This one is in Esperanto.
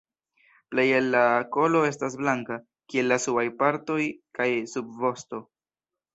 Plej el la kolo estas blanka, kiel la subaj partoj kaj subvosto.